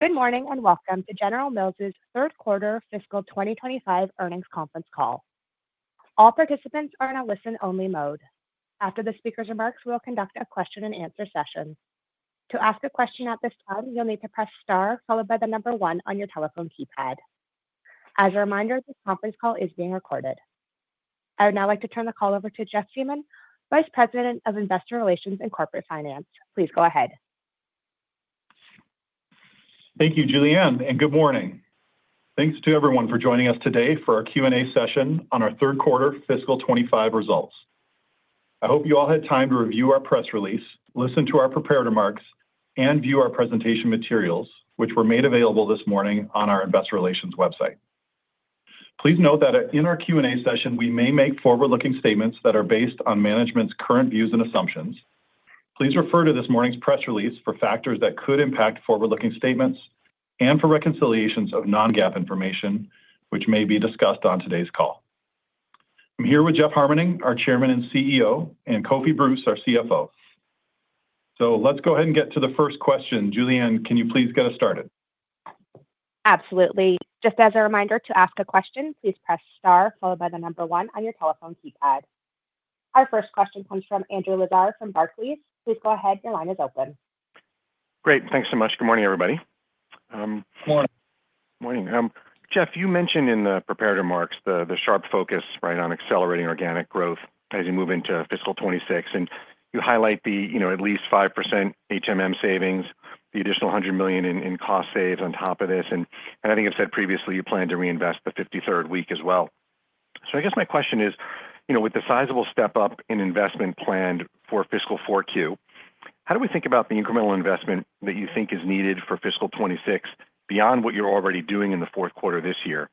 Good morning and welcome to General Mills' third quarter fiscal 2025 earnings conference call. All participants are in a listen-only mode. After the speaker's remarks, we'll conduct a question-and-answer session. To ask a question at this time, you'll need to press star followed by the number one on your telephone keypad. As a reminder, this conference call is being recorded. I would now like to turn the call over to Jeff Siemon, Vice President of Investor Relations and Corporate Finance. Please go ahead. Thank you, Julianne, and good morning. Thanks to everyone for joining us today for our Q&A session on our third quarter fiscal 2025 results. I hope you all had time to review our press release, listen to our prepared remarks, and view our presentation materials, which were made available this morning on our Investor Relations website. Please note that in our Q&A session, we may make forward-looking statements that are based on management's current views and assumptions. Please refer to this morning's press release for factors that could impact forward-looking statements and for reconciliations of non-GAAP information, which may be discussed on today's call. I'm here with Jeff Harmening, our Chairman and CEO, and Kofi Bruce, our CFO. Let's go ahead and get to the first question. Julianne, can you please get us started? Absolutely. Just as a reminder to ask a question, please press star followed by the number one on your telephone keypad. Our first question comes from Andrew Lazar from Barclays. Please go ahead. Your line is open. Great. Thanks so much. Good morning, everybody. Good morning. Good morning. Jeff, you mentioned in the prepared remarks the sharp focus on accelerating organic growth as you move into fiscal 2026. You highlight the at least 5% savings, the additional $100 million in cost saves on top of this. I think I've said previously you plan to reinvest the 53rd week as well. I guess my question is, with the sizable step-up in investment planned for fiscal Q4, how do we think about the incremental investment that you think is needed for fiscal 2026 beyond what you're already doing in the fourth quarter this year?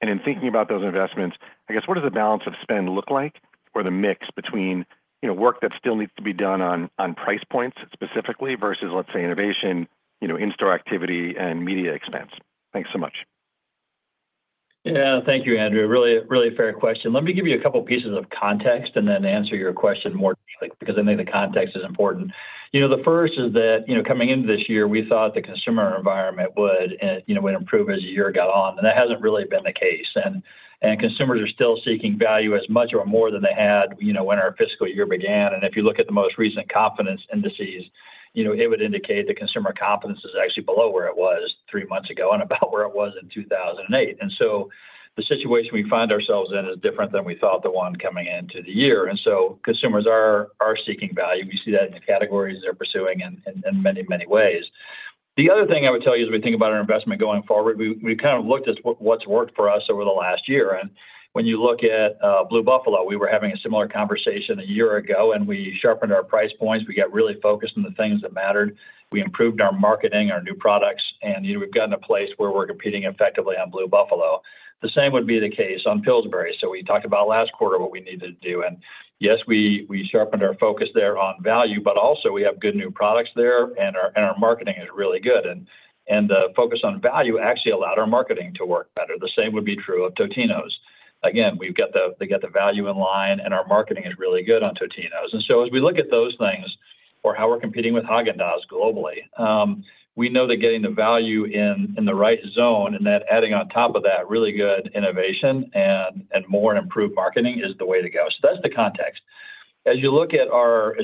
In thinking about those investments, I guess what does the balance of spend look like or the mix between work that still needs to be done on price points specifically versus, let's say, innovation, in-store activity, and media expense? Thanks so much. Yeah, thank you, Andrew. Really, really fair question. Let me give you a couple of pieces of context and then answer your question more directly because I think the context is important. The first is that coming into this year, we thought the consumer environment would improve as the year got on. That has not really been the case. Consumers are still seeking value as much or more than they had when our fiscal year began. If you look at the most recent confidence indices, it would indicate that consumer confidence is actually below where it was three months ago and about where it was in 2008. The situation we find ourselves in is different than we thought the one coming into the year. Consumers are seeking value. We see that in the categories they are pursuing in many, many ways. The other thing I would tell you as we think about our investment going forward, we kind of looked at what's worked for us over the last year. When you look at Blue Buffalo, we were having a similar conversation a year ago, and we sharpened our price points. We got really focused on the things that mattered. We improved our marketing, our new products, and we've gotten to a place where we're competing effectively on Blue Buffalo. The same would be the case on Pillsbury. We talked about last quarter, what we needed to do. Yes, we sharpened our focus there on value, but also we have good new products there, and our marketing is really good. The focus on value actually allowed our marketing to work better. The same would be true of Totino's. Again, they got the value in line, and our marketing is really good on Totino's. As we look at those things or how we're competing with Häagen-Dazs globally, we know that getting the value in the right zone and that adding on top of that really good innovation and more improved marketing is the way to go. That's the context. As you look at our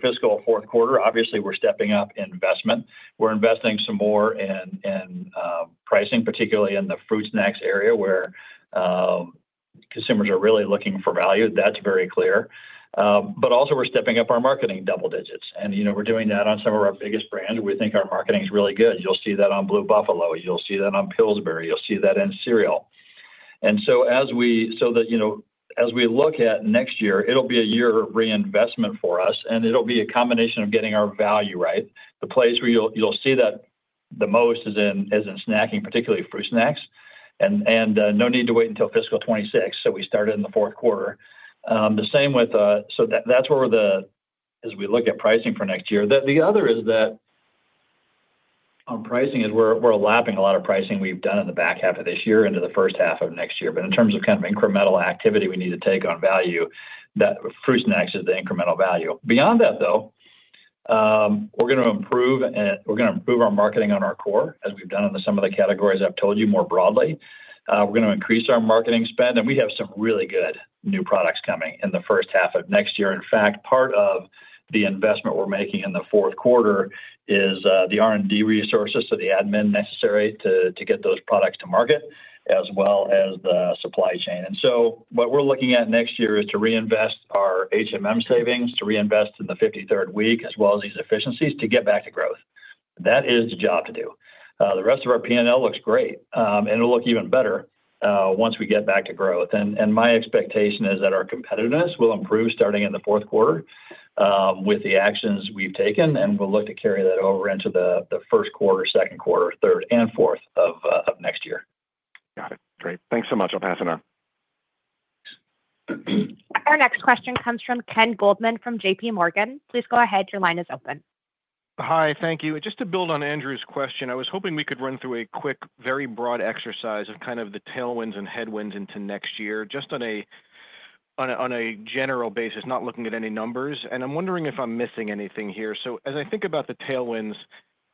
fiscal fourth quarter, obviously we're stepping up investment. We're investing some more in pricing, particularly in the fruit snacks area where consumers are really looking for value. That's very clear. Also, we're stepping up our marketing double digits. We're doing that on some of our biggest brands. We think our marketing is really good. You'll see that on Blue Buffalo. You'll see that on Pillsbury. You'll see that in cereal. As we look at next year, it'll be a year of reinvestment for us, and it'll be a combination of getting our value right. The place where you'll see that the most is in snacking, particularly fruit snacks. No need to wait until fiscal 2026. We started in the fourth quarter. The same with, that's where, as we look at pricing for next year. The other is that on pricing, we're lapping a lot of pricing we've done in the back half of this year into the first half of next year. In terms of kind of incremental activity we need to take on value, fruit snacks is the incremental value. Beyond that, we're going to improve our marketing on our core as we've done in some of the categories I've told you more broadly. We're going to increase our marketing spend, and we have some really good new products coming in the first half of next year. In fact, part of the investment we're making in the fourth quarter is the R&D resources to the admin necessary to get those products to market, as well as the supply chain. What we're looking at next year is to reinvest our savings, to reinvest in the 53rd week, as well as these efficiencies to get back to growth. That is the job to do. The rest of our P&L looks great, and it'll look even better once we get back to growth. My expectation is that our competitiveness will improve starting in the fourth quarter with the actions we've taken, and we'll look to carry that over into the first quarter, second quarter, third, and fourth of next year. Got it. Great. Thanks so much. I'll pass it on. Our next question comes from Ken Goldman from JPMorgan. Please go ahead. Your line is open. Hi, thank you. Just to build on Andrew's question, I was hoping we could run through a quick, very broad exercise of kind of the tailwinds and headwinds into next year just on a general basis, not looking at any numbers. I'm wondering if I'm missing anything here. As I think about the tailwinds,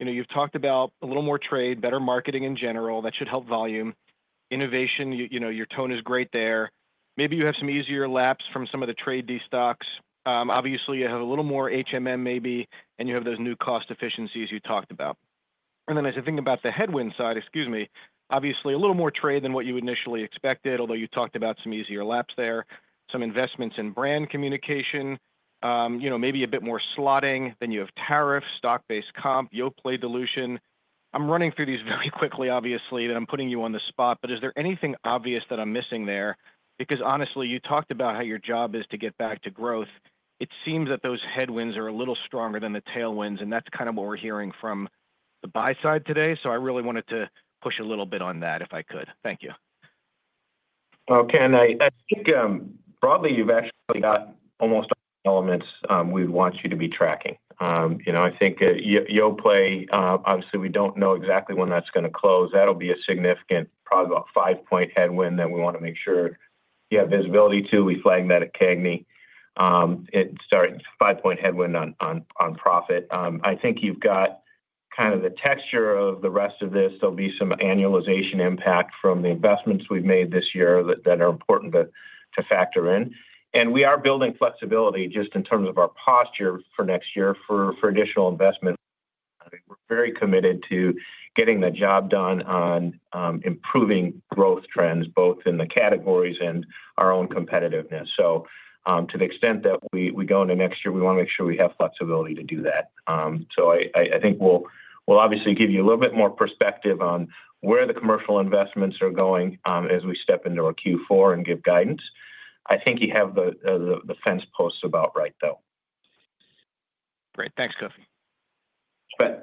you've talked about a little more trade, better marketing in general. That should help volume. Innovation, your tone is great there. Maybe you have some easier laps from some of the trade destocks. Obviously, you have a little more maybe, and you have those new cost efficiencies you talked about. As I think about the headwind side, excuse me, obviously a little more trade than what you initially expected, although you talked about some easier laps there, some investments in brand communication, maybe a bit more slotting. You have tariffs, stock-based comp, Yoplait dilution. I'm running through these very quickly, obviously, and I'm putting you on the spot, but is there anything obvious that I'm missing there? Because honestly, you talked about how your job is to get back to growth. It seems that those headwinds are a little stronger than the tailwinds, and that's kind of what we're hearing from the buy side today. I really wanted to push a little bit on that if I could. Thank you. Ken, I think broadly you've actually got almost all the elements we'd want you to be tracking. I think Yoplait, obviously we don't know exactly when that's going to close. That'll be a significant, probably about five-point headwind that we want to make sure you have visibility to. We flagged that at CAGNY. It starts five-point headwind on profit. I think you've got kind of the texture of the rest of this. There'll be some annualization impact from the investments we've made this year that are important to factor in. We are building flexibility just in terms of our posture for next year for additional investment. We're very committed to getting the job done on improving growth trends both in the categories and our own competitiveness. To the extent that we go into next year, we want to make sure we have flexibility to do that. I think we'll obviously give you a little bit more perspective on where the commercial investments are going as we step into our Q4 and give guidance. I think you have the fence posts about right, though. Great. Thanks, Jeff It's fine.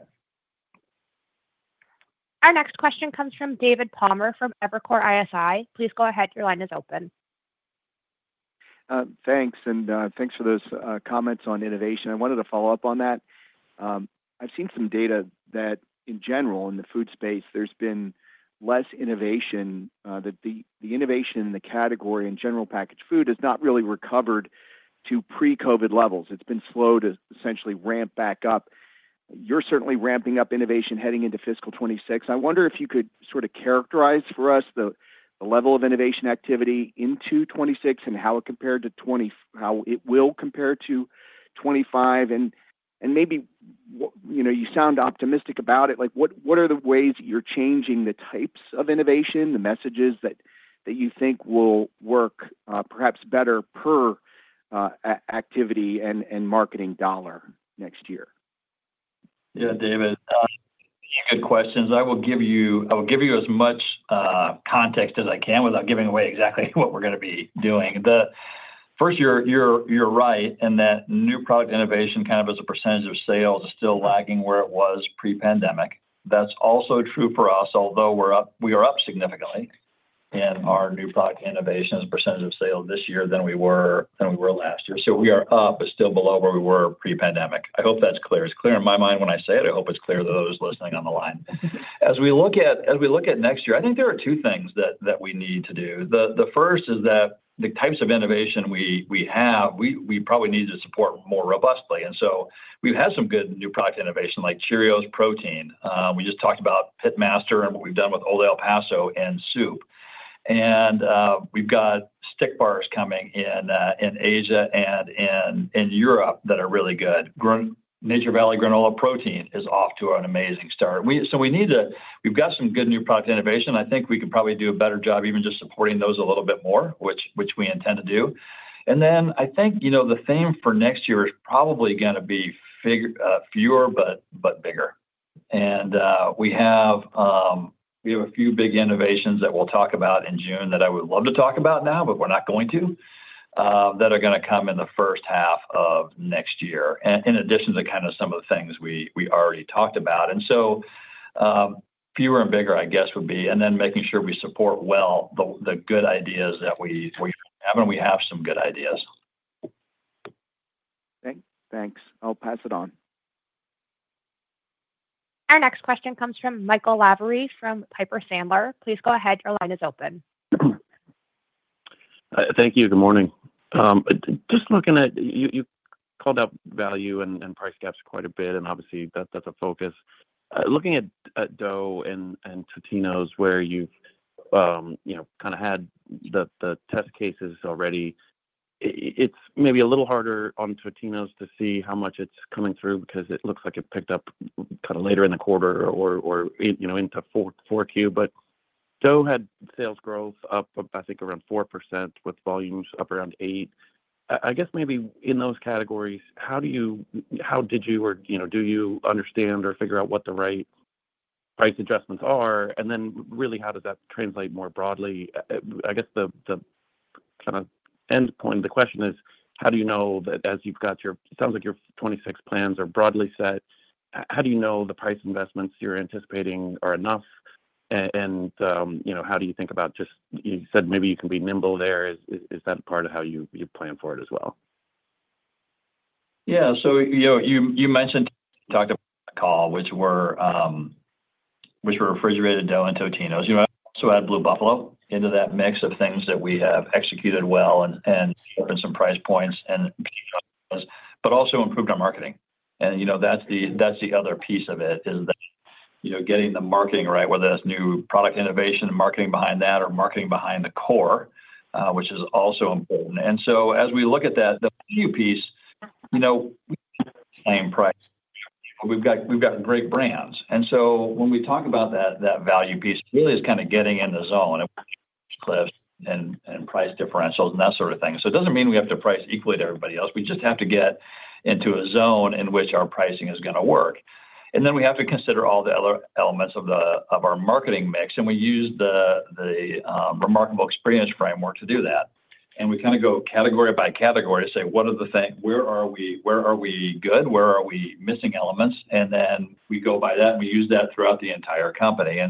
Our next question comes from David Palmer from Evercore ISI. Please go ahead. Your line is open. Thanks. Thanks for those comments on innovation. I wanted to follow up on that. I've seen some data that in general in the food space, there's been less innovation. The innovation in the category in general packaged food has not really recovered to pre-COVID levels. It's been slow to essentially ramp back up. You're certainly ramping up innovation heading into fiscal 2026. I wonder if you could sort of characterize for us the level of innovation activity into 2026 and how it compared to how it will compare to 2025. Maybe you sound optimistic about it. What are the ways that you're changing the types of innovation, the messages that you think will work perhaps better per activity and marketing dollar next year? Yeah, David, good questions. I will give you as much context as I can without giving away exactly what we're going to be doing. First, you're right in that new product innovation kind of as a percentage of sales is still lagging where it was pre-pandemic. That's also true for us, although we are up significantly in our new product innovation as a percentage of sales this year than we were last year. So we are up, but still below where we were pre-pandemic. I hope that's clear. It's clear in my mind when I say it. I hope it's clear to those listening on the line. As we look at next year, I think there are two things that we need to do. The first is that the types of innovation we have, we probably need to support more robustly. We've had some good new product innovation like Cheerios Protein. We just talked about Pitmaster and what we've done with Old El Paso and soup. We've got stick bars coming in Asia and in Europe that are really good. Nature Valley Granola Protein is off to an amazing start. We need to, we've got some good new product innovation. I think we can probably do a better job even just supporting those a little bit more, which we intend to do. I think the theme for next year is probably going to be fewer, but bigger. We have a few big innovations that we'll talk about in June that I would love to talk about now, but we're not going to, that are going to come in the first half of next year in addition to kind of some of the things we already talked about. Fewer and bigger, I guess, would be, and then making sure we support well the good ideas that we have, and we have some good ideas. Thanks. I'll pass it on. Our next question comes from Michael Lavery from Piper Sandler. Please go ahead. Your line is open. Thank you. Good morning. Just looking at, you called out value and price gaps quite a bit, and obviously that's a focus. Looking at dough and Totino's, where you've kind of had the test cases already, it's maybe a little harder on Totino's to see how much it's coming through because it looks like it picked up kind of later in the quarter or into Q4. But dough had sales growth up, I think, around 4% with volumes up around 8. I guess maybe in those categories, how did you or do you understand or figure out what the right price adjustments are? And then really, how does that translate more broadly? I guess the kind of endpoint of the question is, how do you know that as you've got your, it sounds like your 2026 plans are broadly set, how do you know the price investments you're anticipating are enough? And how do you think about just, you said maybe you can be nimble there. Is that part of how you plan for it as well? Yeah. You mentioned, talked about cold, which were refrigerated dough and Totino's. You also add Blue Buffalo into that mix of things that we have executed well and opened some price points and also improved our marketing. That's the other piece of it, that getting the marketing right, whether that's new product innovation, marketing behind that, or marketing behind the core, which is also important. As we look at that, the value piece, we have the same price. We've got great brands. When we talk about that value piece, it really is kind of getting in the zone and price differentials and that sort of thing. It does not mean we have to price equally to everybody else. We just have to get into a zone in which our pricing is going to work. We have to consider all the other elements of our marketing mix. We use the remarkable experience framework to do that. We kind of go category by category to say, what are the things, where are we good, where are we missing elements. We go by that and we use that throughout the entire company.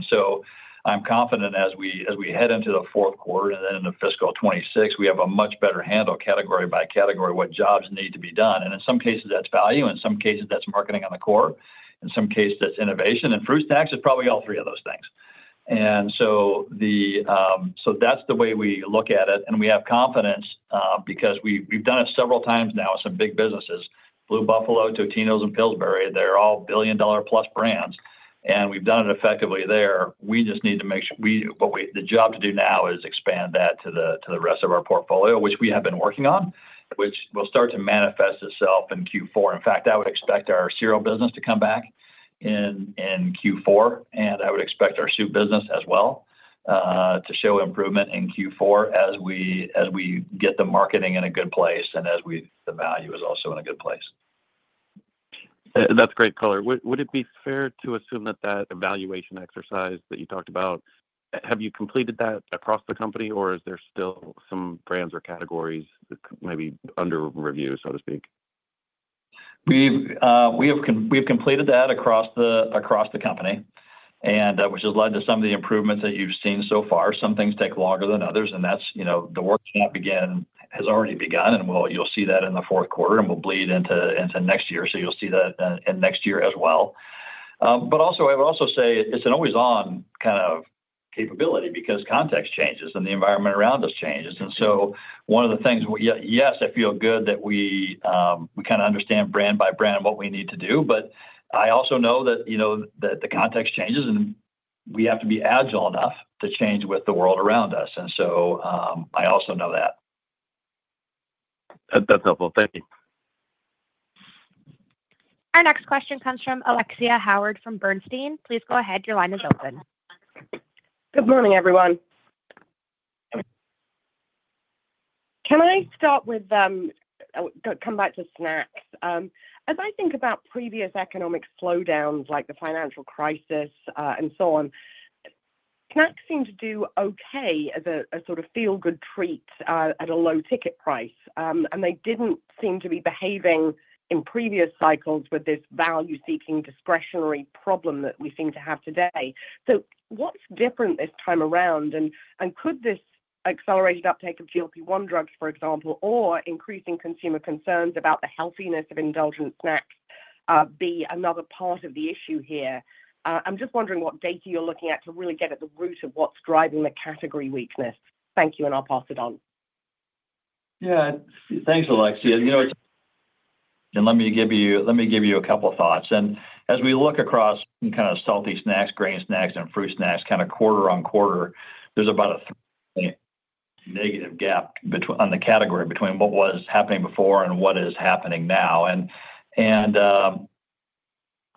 I am confident as we head into the fourth quarter and then into fiscal 2026, we have a much better handle category by category what jobs need to be done. In some cases, that is value. In some cases, that is marketing on the core. In some cases, that is innovation. Fruit snacks is probably all three of those things. That is the way we look at it. We have confidence because we have done it several times now with some big businesses, Blue Buffalo, Totino's, and Pillsbury. They're all billion-dollar plus brands. We've done it effectively there. We just need to make sure the job to do now is expand that to the rest of our portfolio, which we have been working on, which will start to manifest itself in Q4. In fact, I would expect our cereal business to come back in Q4. I would expect our soup business as well to show improvement in Q4 as we get the marketing in a good place and as the value is also in a good place. That's great color. Would it be fair to assume that that evaluation exercise that you talked about, have you completed that across the company, or is there still some brands or categories maybe under review, so to speak? We have completed that across the company. That has led to some of the improvements that you've seen so far. Some things take longer than others. That is the work that has already begun. You'll see that in the fourth quarter and it will bleed into next year. You'll see that next year as well. I would also say it's an always-on kind of capability because context changes and the environment around us changes. One of the things, yes, I feel good that we kind of understand brand by brand what we need to do. I also know that the context changes and we have to be agile enough to change with the world around us. I also know that. That's helpful. Thank you. Our next question comes from Alexia Howard from Bernstein. Please go ahead. Your line is open. Good morning, everyone. Can I start with, come back to snacks? As I think about previous economic slowdowns like the financial crisis and so on, snacks seem to do okay as a sort of feel-good treat at a low ticket price. They did not seem to be behaving in previous cycles with this value-seeking discretionary problem that we seem to have today. What is different this time around? Could this accelerated uptake of GLP-1 drugs, for example, or increasing consumer concerns about the healthiness of indulgent snacks be another part of the issue here? I am just wondering what data you are looking at to really get at the root of what is driving the category weakness. Thank you, and I will pass it on. Yeah. Thanks, Alexia. Let me give you a couple of thoughts. As we look across kind of salty snacks, grain snacks, and fruit snacks kind of quarter on quarter, there's about a negative gap on the category between what was happening before and what is happening now.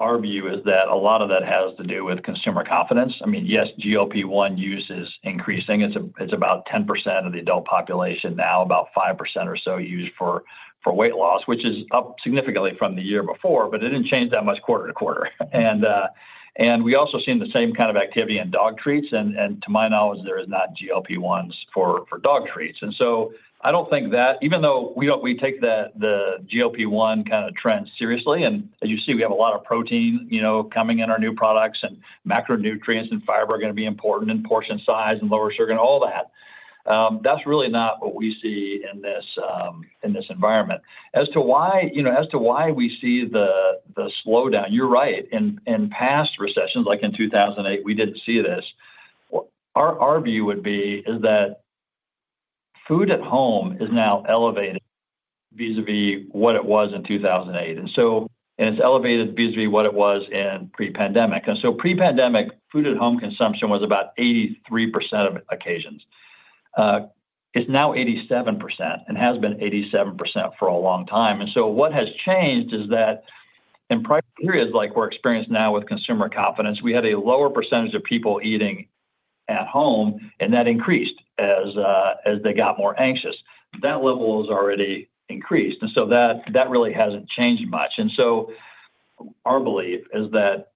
Our view is that a lot of that has to do with consumer confidence. I mean, yes, GLP-1 use is increasing. It's about 10% of the adult population now, about 5% or so used for weight loss, which is up significantly from the year before, but it didn't change that much quarter to quarter. We also seen the same kind of activity in dog treats. To my knowledge, there is not GLP-1s for dog treats. I do not think that, even though we take the GLP-1 kind of trend seriously, and as you see, we have a lot of protein coming in our new products and macronutrients and fiber are going to be important and portion size and lower sugar and all that. That is really not what we see in this environment. As to why we see the slowdown, you are right. In past recessions like in 2008, we did not see this. Our view would be that food at home is now elevated vis-à-vis what it was in 2008. It is elevated vis-à-vis what it was in pre-pandemic. Pre-pandemic, food at home consumption was about 83% of occasions. It is now 87% and has been 87% for a long time. What has changed is that in prior periods like we're experiencing now with consumer confidence, we had a lower percentage of people eating at home, and that increased as they got more anxious. That level has already increased. That really hasn't changed much. Our belief is that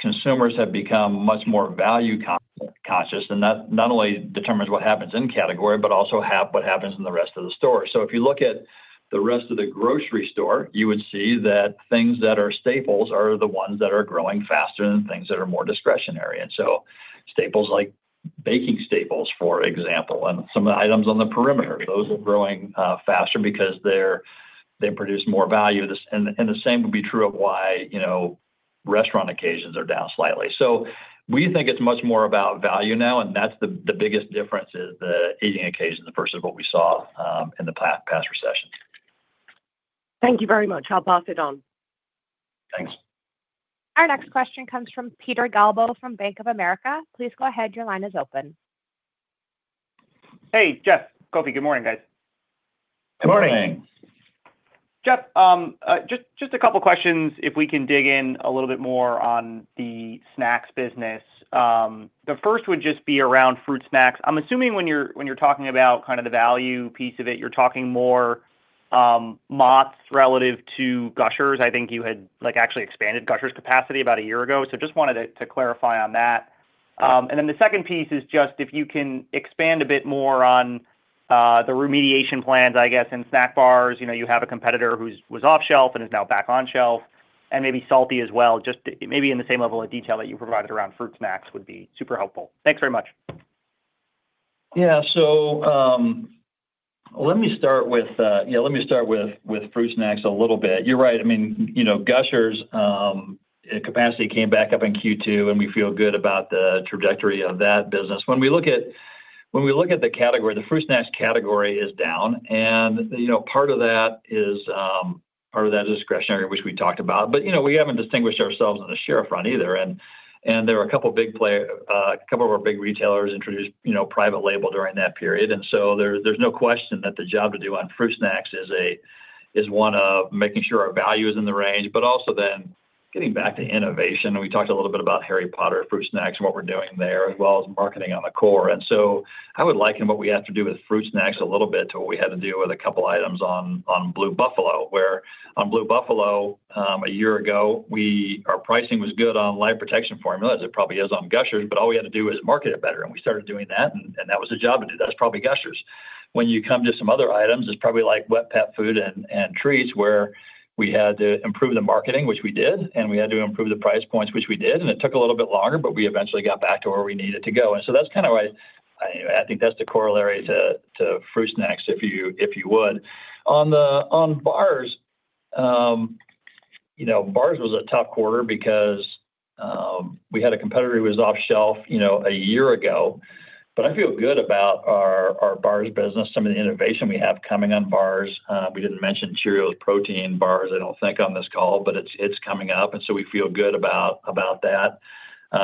consumers have become much more value-conscious. That not only determines what happens in category, but also what happens in the rest of the store. If you look at the rest of the grocery store, you would see that things that are staples are the ones that are growing faster than things that are more discretionary. Staples like baking staples, for example, and some of the items on the perimeter, those are growing faster because they produce more value. The same would be true of why restaurant occasions are down slightly. We think it's much more about value now. That's the biggest difference is the eating occasions versus what we saw in the past recession. Thank you very much. I'll pass it on. Thanks. Our next question comes from Peter Galbo from Bank of America. Please go ahead. Your line is open. Hey, Jeff, good morning, guys. Good morning. Morning. Jeff, just a couple of questions if we can dig in a little bit more on the snacks business. The first would just be around fruit snacks. I'm assuming when you're talking about kind of the value piece of it, you're talking more Mott's relative to Gushers. I think you had actually expanded Gushers' capacity about a year ago. Just wanted to clarify on that. The second piece is just if you can expand a bit more on the remediation plans, I guess, in snack bars. You have a competitor who was off-shelf and is now back on-shelf. Maybe salty as well, just maybe in the same level of detail that you provided around fruit snacks would be super helpful. Thanks very much. Yeah. Let me start with fruit snacks a little bit. You're right. I mean, Gushers' capacity came back up in Q2, and we feel good about the trajectory of that business. When we look at the category, the fruit snacks category is down. Part of that is part of that discretionary, which we talked about. We haven't distinguished ourselves on the share front either. There are a couple of big players, a couple of our big retailers introduced private label during that period. There's no question that the job to do on fruit snacks is one of making sure our value is in the range, but also then getting back to innovation. We talked a little bit about Harry Potter fruit snacks and what we're doing there, as well as marketing on the core. I would liken what we have to do with fruit snacks a little bit to what we had to do with a couple of items on Blue Buffalo, where on Blue Buffalo a year ago, our pricing was good on Life Protection Formula, as it probably is on Gushers, but all we had to do is market it better. We started doing that, and that was the job to do. That was probably Gushers. When you come to some other items, it is probably like wet pet food and treats where we had to improve the marketing, which we did, and we had to improve the price points, which we did. It took a little bit longer, but we eventually got back to where we needed to go. That is kind of why I think that is the corollary to fruit snacks, if you would. On bars, bars was a tough quarter because we had a competitor who was off-shelf a year ago. I feel good about our bars business, some of the innovation we have coming on bars. We did not mention Cheerios Protein bars, I do not think, on this call, but it is coming up. We feel good about that.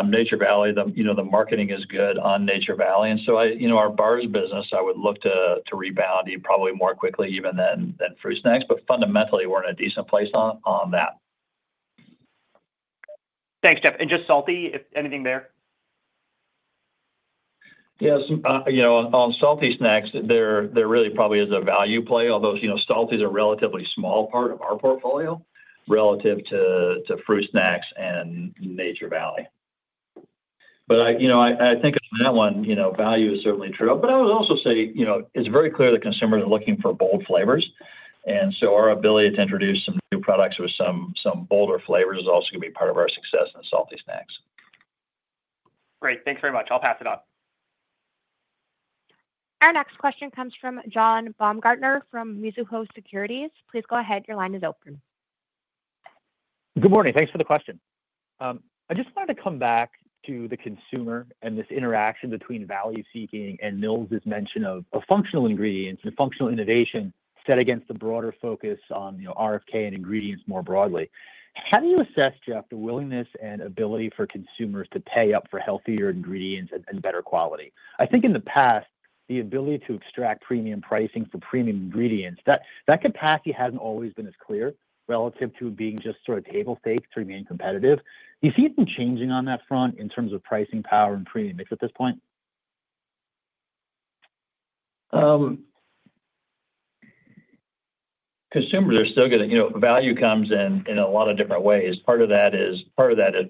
Nature Valley, the marketing is good on Nature Valley. Our bars business, I would look to rebound probably more quickly even than fruit snacks. Fundamentally, we are in a decent place on that. Thanks, Jeff. Just salty, anything there? Yeah. On salty snacks, there really probably is a value play, although salties are a relatively small part of our portfolio relative to fruit snacks and Nature Valley. I think on that one, value is certainly true. I would also say it's very clear that consumers are looking for bold flavors. Our ability to introduce some new products with some bolder flavors is also going to be part of our success in salty snacks. Great. Thanks very much. I'll pass it on. Our next question comes from John Baumgartner from Mizuho Securities. Please go ahead. Your line is open. Good morning. Thanks for the question. I just wanted to come back to the consumer and this interaction between value-seeking and Mills' mention of functional ingredients and functional innovation set against the broader focus on RFK and ingredients more broadly. How do you assess, Jeff, the willingness and ability for consumers to pay up for healthier ingredients and better quality? I think in the past, the ability to extract premium pricing for premium ingredients, that capacity has not always been as clear relative to being just sort of table stakes to remain competitive. Do you see anything changing on that front in terms of pricing power and premium mix at this point? Consumers, they're still going to value comes in a lot of different ways. Part of that is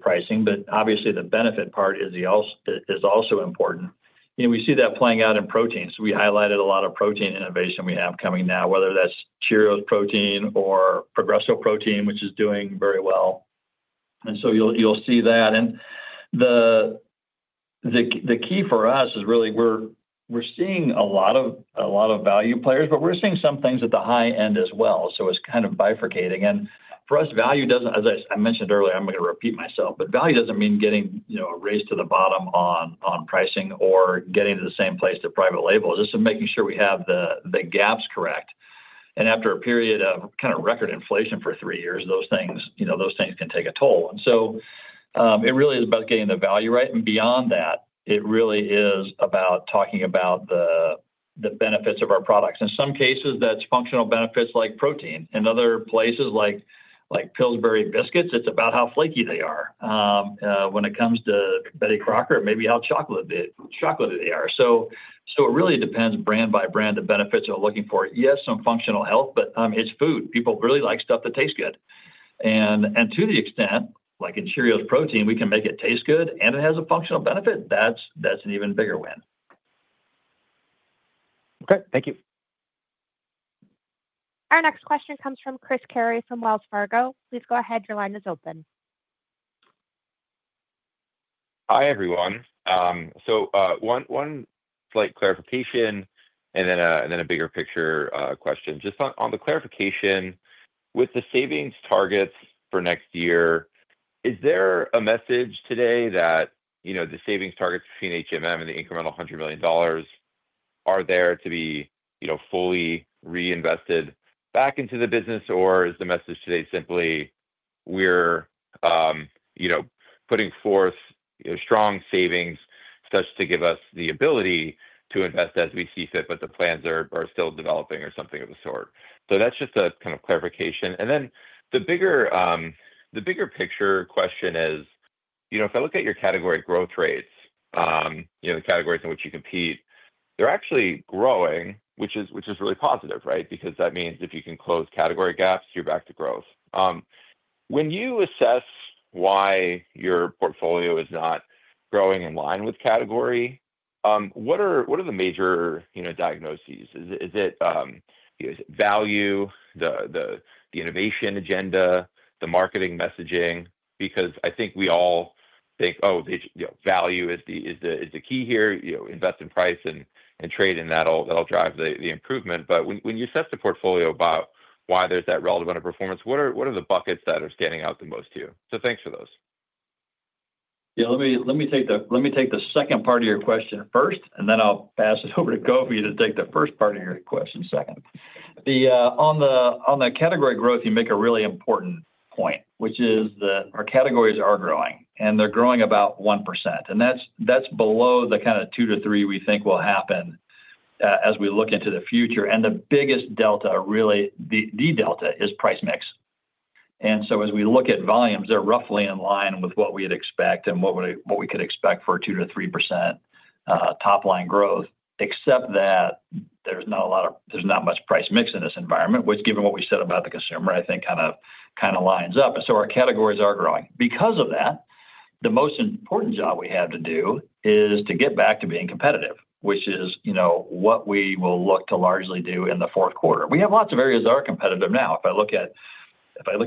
pricing, but obviously, the benefit part is also important. We see that playing out in proteins. We highlighted a lot of protein innovation we have coming now, whether that's Cheerios Protein or Progresso Protein, which is doing very well. You will see that. The key for us is really we're seeing a lot of value players, but we're seeing some things at the high end as well. It is kind of bifurcating. For us, value does not, as I mentioned earlier, I am going to repeat myself, but value does not mean getting a race to the bottom on pricing or getting to the same place to private label. It is just making sure we have the gaps correct. After a period of kind of record inflation for three years, those things can take a toll. It really is about getting the value right. Beyond that, it really is about talking about the benefits of our products. In some cases, that's functional benefits like protein. In other places, like Pillsbury biscuits, it's about how flaky they are. When it comes to Betty Crocker, maybe how chocolatey they are. It really depends brand by brand the benefits we're looking for. Yes, some functional health, but it's food. People really like stuff that tastes good. To the extent, like in Cheerios Protein, we can make it taste good and it has a functional benefit, that's an even bigger win. Okay. Thank you. Our next question comes from Chris Carey from Wells Fargo. Please go ahead. Your line is open. Hi everyone. One slight clarification and then a bigger picture question. Just on the clarification, with the savings targets for next year, is there a message today that the savings targets and the incremental $100 million are there to be fully reinvested back into the business, or is the message today simply, we're putting forth strong savings such to give us the ability to invest as we see fit, but the plans are still developing or something of the sort? That's just a kind of clarification. The bigger picture question is, if I look at your category growth rates, the categories in which you compete, they're actually growing, which is really positive, right? That means if you can close category gaps, you're back to growth. When you assess why your portfolio is not growing in line with category, what are the major diagnoses? Is it value, the innovation agenda, the marketing messaging? I think we all think, oh, value is the key here. Invest in price and trade and that'll drive the improvement. When you assess the portfolio about why there's that relative underperformance, what are the buckets that are standing out the most to you? Thanks for those. Yeah. Let me take the second part of your question first, and then I'll pass it over to Kofi to take the first part of your question second. On the category growth, you make a really important point, which is that our categories are growing, and they're growing about 1%. That is below the kind of two to three we think will happen as we look into the future. The biggest delta, really the delta, is price mix. As we look at volumes, they're roughly in line with what we'd expect and what we could expect for 2-3% top-line growth, except that there's not a lot of, there's not much price mix in this environment, which given what we said about the consumer, I think kind of lines up. Our categories are growing. Because of that, the most important job we have to do is to get back to being competitive, which is what we will look to largely do in the fourth quarter. We have lots of areas that are competitive now. If I look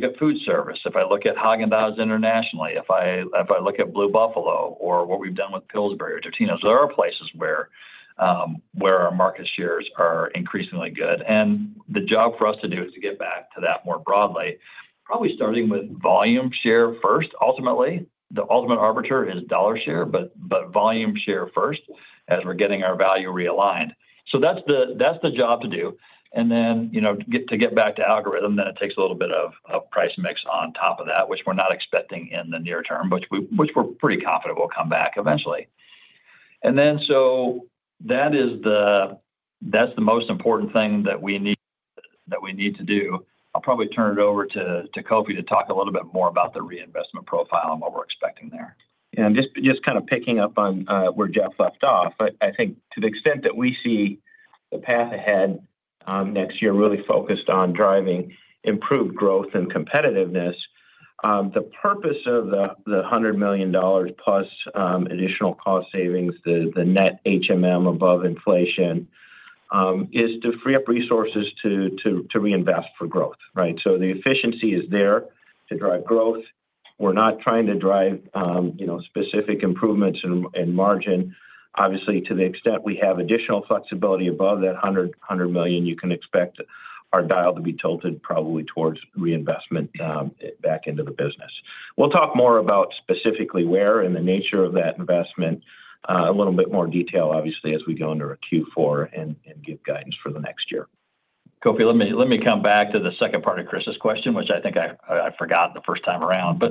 at food service, if I look at Häagen-Dazs internationally, if I look at Blue Buffalo, or what we've done with Pillsbury, or Totino's, there are places where our market shares are increasingly good. The job for us to do is to get back to that more broadly, probably starting with volume share first. Ultimately, the ultimate arbiter is dollar share, but volume share first as we're getting our value realigned. That is the job to do. To get back to algorithm, then it takes a little bit of price mix on top of that, which we're not expecting in the near term, but which we're pretty confident will come back eventually. That is the most important thing that we need to do. I'll probably turn it over to Kofi to talk a little bit more about the reinvestment profile and what we're expecting there. Yeah. Just kind of picking up on where Jeff left off, I think to the extent that we see the path ahead next year really focused on driving improved growth and competitiveness, the purpose of the $100 million plus additional cost savings, the net above inflation, is to free up resources to reinvest for growth, right? The efficiency is there to drive growth. We're not trying to drive specific improvements in margin. Obviously, to the extent we have additional flexibility above that $100 million, you can expect our dial to be tilted probably towards reinvestment back into the business. We will talk more about specifically where and the nature of that investment in a little bit more detail, obviously, as we go into Q4 and give guidance for the next year. Kofi, let me come back to the second part of Chris's question, which I think I forgot the first time around.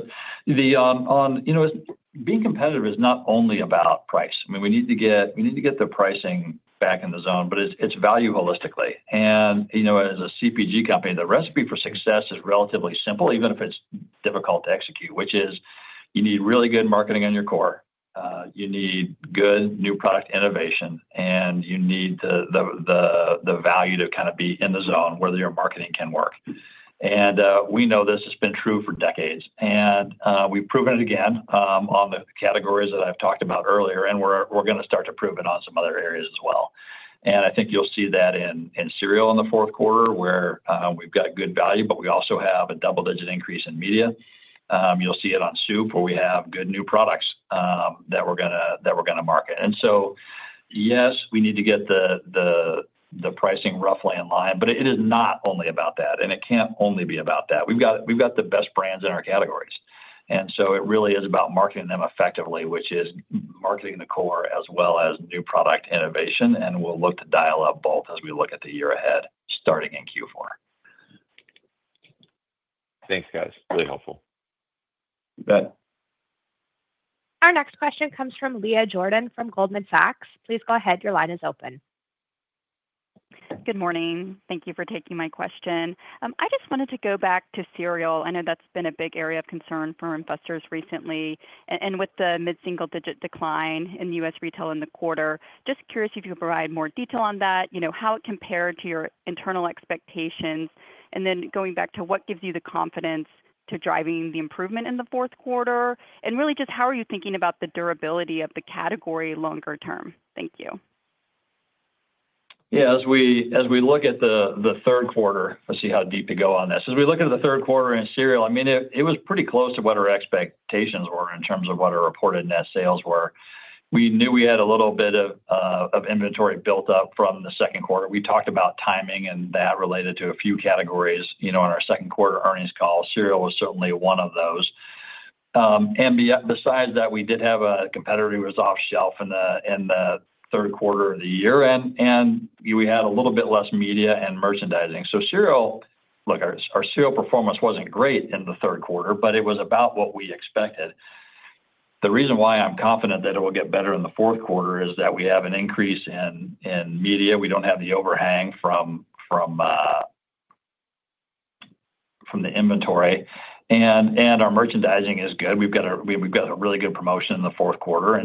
Being competitive is not only about price. I mean, we need to get the pricing back in the zone, but it is value holistically. As a CPG company, the recipe for success is relatively simple, even if it is difficult to execute, which is you need really good marketing on your core. You need good new product innovation, and you need the value to kind of be in the zone where your marketing can work. We know this has been true for decades. We have proven it again on the categories that I have talked about earlier, and we are going to start to prove it on some other areas as well. I think you will see that in cereal in the fourth quarter, where we have got good value, but we also have a double-digit increase in media. You will see it on soup, where we have good new products that we are going to market. Yes, we need to get the pricing roughly in line, but it is not only about that, and it cannot only be about that. We have got the best brands in our categories. It really is about marketing them effectively, which is marketing the core as well as new product innovation. We will look to dial up both as we look at the year ahead starting in Q4. Thanks, guys. Really helpful. You bet. Our next question comes from Leah Jordan from Goldman Sachs. Please go ahead. Your line is open. Good morning. Thank you for taking my question. I just wanted to go back to cereal. I know that's been a big area of concern for investors recently. With the mid-single-digit decline in U.S. retail in the quarter, just curious if you could provide more detail on that, how it compared to your internal expectations, and then going back to what gives you the confidence to driving the improvement in the fourth quarter, and really just how are you thinking about the durability of the category longer term? Thank you. Yeah. As we look at the third quarter, let's see how deep we go on this. As we look at the third quarter in cereal, I mean, it was pretty close to what our expectations were in terms of what our reported net sales were. We knew we had a little bit of inventory built up from the second quarter. We talked about timing and that related to a few categories on our second quarter earnings call. Cereal was certainly one of those. Besides that, we did have a competitor who was off-shelf in the third quarter of the year, and we had a little bit less media and merchandising. Cereal, look, our cereal performance wasn't great in the third quarter, but it was about what we expected. The reason why I'm confident that it will get better in the fourth quarter is that we have an increase in media. We don't have the overhang from the inventory. Our merchandising is good. We've got a really good promotion in the fourth quarter.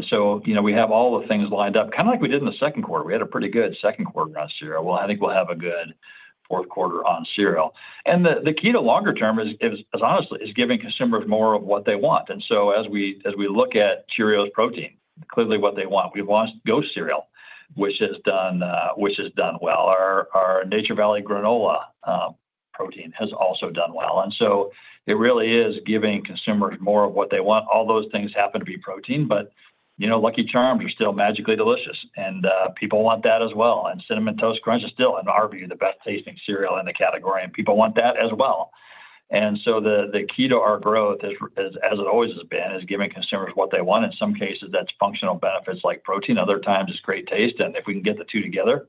We have all the things lined up, kind of like we did in the second quarter. We had a pretty good second quarter on cereal. I think we'll have a good fourth quarter on cereal. The key to longer term is, honestly, giving consumers more of what they want. As we look at Cheerios Protein, clearly what they want, we've lost Ghost Cereal, which has done well. Our Nature Valley Granola Protein has also done well. It really is giving consumers more of what they want. All those things happen to be protein, but Lucky Charms are still magically delicious. People want that as well. Cinnamon Toast Crunch is still, in our view, the best-tasting cereal in the category, and people want that as well. The key to our growth, as it always has been, is giving consumers what they want. In some cases, that's functional benefits like protein. Other times, it's great taste. If we can get the two together,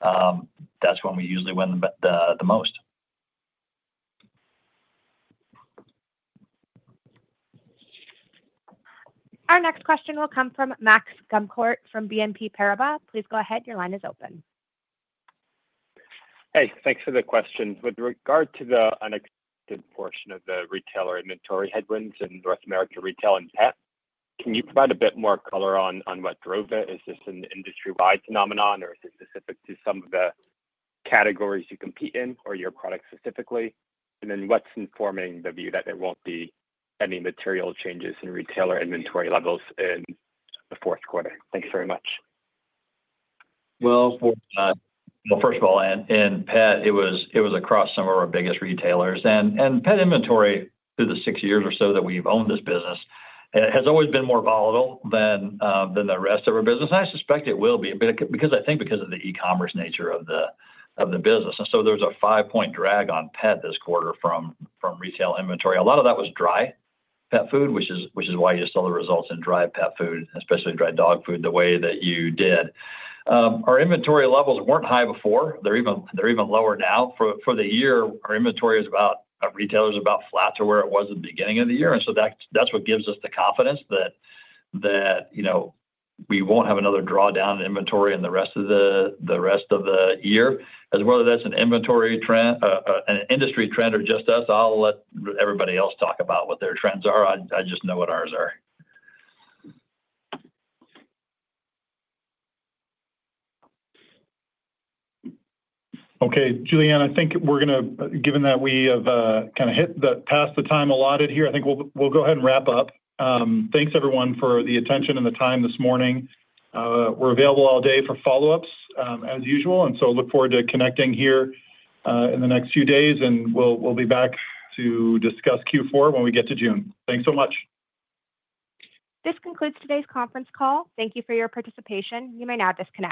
that's when we usually win the most. Our next question will come from Max Gumport from BNP Paribas. Please go ahead. Your line is open. Hey, thanks for the question. With regard to the unexpected portion of the retailer inventory headwinds in North America retail and Pet, can you provide a bit more color on what drove it? Is this an industry-wide phenomenon, or is it specific to some of the categories you compete in or your product specifically? What is informing the view that there will not be any material changes in retailer inventory levels in the fourth quarter? Thanks very much. First of all, in PET, it was across some of our biggest retailers. PET inventory, through the six years or so that we've owned this business, has always been more volatile than the rest of our business. I suspect it will be because I think because of the e-commerce nature of the business. There was a five-point drag on PET this quarter from retail inventory. A lot of that was dry pet food, which is why you saw the results in dry pet food, especially dry dog food, the way that you did. Our inventory levels were not high before. They are even lower now. For the year, our inventory is about our retailer is about flat to where it was at the beginning of the year. That is what gives us the confidence that we will not have another drawdown in inventory in the rest of the year. As to whether that is an inventory trend, an industry trend, or just us, I will let everybody else talk about what their trends are. I just know what ours are. Okay. Julianne, I think we're going to, given that we have kind of hit past the time allocated here, I think we'll go ahead and wrap up. Thanks, everyone, for the attention and the time this morning. We're available all day for follow-ups as usual. I look forward to connecting here in the next few days, and we'll be back to discuss Q4 when we get to June. Thanks so much. This concludes today's conference call. Thank you for your participation. You may now disconnect.